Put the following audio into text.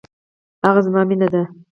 هغه زما مينه ده.